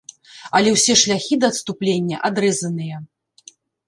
Але ўсе шляхі да адступлення адрэзаныя.